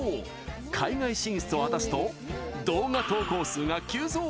海外進出を果たすと動画投稿数が急増！